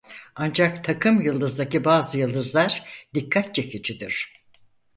Ancak takımyıldızdaki bazı yıldızlar dikkat çekicidir.